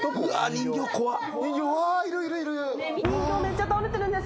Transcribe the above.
人形めっちゃ倒れてるんですけど。